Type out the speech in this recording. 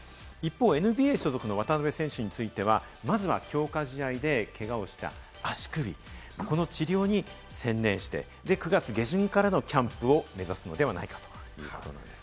ＮＢＡ所属の渡邊選手については、まずは強化試合でけがをした足首、この治療に専念して、９月下旬からのキャンプを目指すのではないかということです。